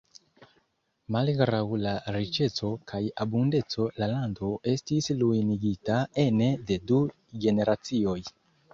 Malgraŭ la riĉeco kaj abundeco la lando estis ruinigita ene de du generacioj.